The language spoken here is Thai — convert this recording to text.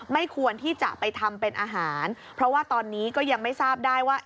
ไม่ควรที่จะไปทำเป็นอาหารเพราะว่าตอนนี้ก็ยังไม่ทราบได้ว่า